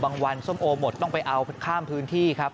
วันส้มโอหมดต้องไปเอาข้ามพื้นที่ครับ